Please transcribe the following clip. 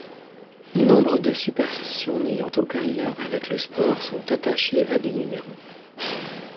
Nombre de superstitions n'ayant aucun lien avec le sport sont attachées à des numéros.